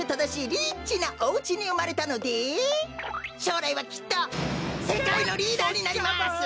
リッチなおうちにうまれたのでしょうらいはきっとせかいのリーダーになります！